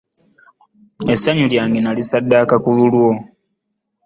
Essanyu lyange nalisaddaaka ku lulwo.